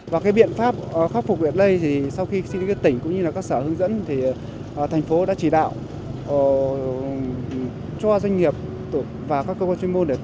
và cái biện pháp khắc phục việt lây thì sau khi sinh viên tỉnh cũng như các sở hướng dẫn thì thành phố đã chỉ đạo cho doanh nghiệp và các cơ quan chuyên môn